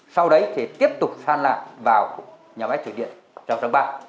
sau đấy thì tiếp tục san lạc vào nhà máy chở điện trong sáng ba